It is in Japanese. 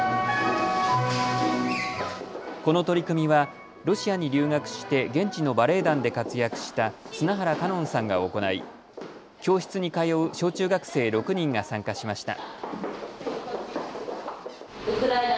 この取り組みはロシアに留学して現地のバレエ団で活躍した砂原伽音さんが行い、教室に通う小中学生６人が参加しました。